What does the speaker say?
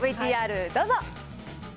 ＶＴＲどうぞ。